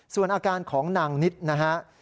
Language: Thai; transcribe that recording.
ส่วนอาการของนางนิตนะครับ